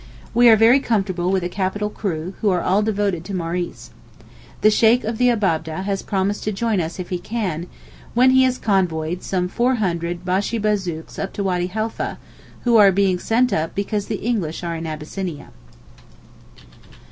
We are very comfortable with a capital crew, who are all devoted to Maurice. The Sheykh of the Abab'deh has promised to join us if he can, when he has convoyed some 400 Bashibazouks up to Wady Halfa, who are being sent up because the English are in Abyssinia.